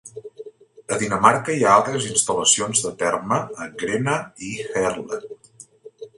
A Dinamarca hi ha altres instal·lacions de Terma a Grenaa i Herlev.